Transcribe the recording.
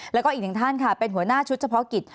แล้วก็อีกหนึ่งท่านค่ะเป็นหัวหน้าชุดเฉพาะกิจ